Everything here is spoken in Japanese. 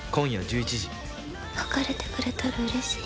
別れてくれたらうれしい。